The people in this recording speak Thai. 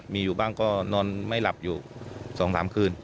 มีอยู่บ้างก็นอนไม่หลับอยู่๒๓คืน